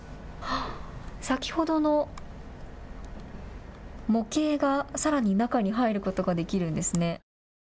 先ほどの模型がさらに中に入ることができるんですね。